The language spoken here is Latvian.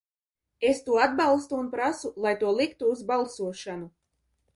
Es to atbalstu un prasu, lai to liktu uz balsošanu.